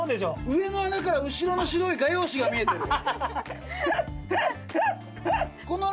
上の穴から後ろの白い画用紙が見えてる。